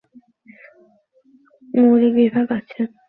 ঔষধ প্রস্তুতি ও ব্যবহার বিজ্ঞানের তিনটি প্রধান মৌলিক বিভাগ আছে।